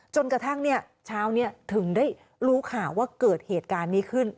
จนกระทั่งเช้านี้ถึงได้รู้ข่าวว่าเกิดเหตุการณ์นี้ขึ้น